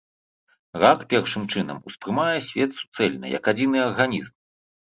Рак, першым чынам, успрымае свет суцэльна, як адзіны арганізм.